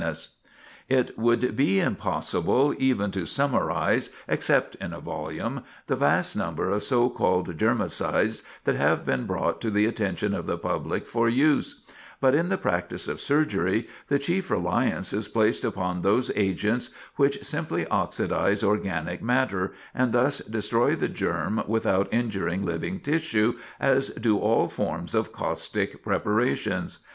[Sidenote: The Value of Germicides] It would be impossible even to summarize, except in a volume, the vast number of so called germicides that have been brought to the attention of the public for use; but in the practice of surgery the chief reliance is placed upon those agents which simply oxidize organic matter, and thus destroy the germ without injuring living tissue, as do all forms of caustic preparations.